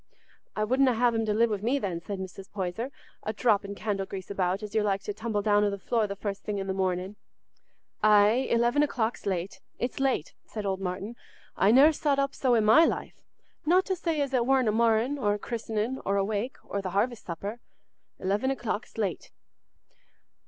"I wouldna have him to live wi' me, then," said Mrs. Poyser, "a dropping candle grease about, as you're like to tumble down o' the floor the first thing i' the morning." "Aye, eleven o'clock's late—it's late," said old Martin. "I ne'er sot up so i' my life, not to say as it warna a marr'in', or a christenin', or a wake, or th' harvest supper. Eleven o'clock's late."